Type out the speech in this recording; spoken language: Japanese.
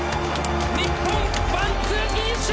日本ワンツーフィニッシュ！